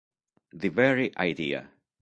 The Very Idea